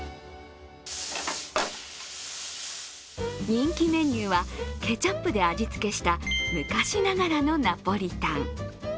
人気メニューは、ケチャップで味付けした昔ながらのナポリタン。